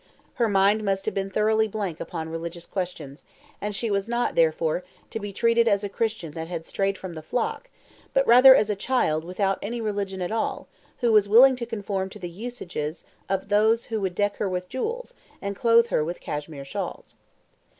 Her mind must have been thoroughly blank upon religious questions, and she was not, therefore, to be treated as a Christian that had strayed from the flock, but rather as a child without any religion at all, who was willing to conform to the usages of those who would deck her with jewels, and clothe her with cashmere shawls.